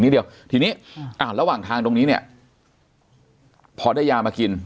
เดี๋ยวทีนี้อ่าระหว่างทางตรงนี้เนี่ยพอได้ยามากิน